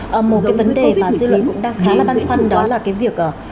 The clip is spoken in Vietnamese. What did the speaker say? một cái vấn đề mà dữ liệu cũng đang khá là văn khoăn đó là cái việc